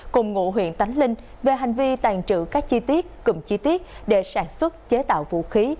cùng ngụ huyện tánh linh về hành vi tàn trữ các chi tiết cùng chi tiết để sản xuất chế tạo vũ khí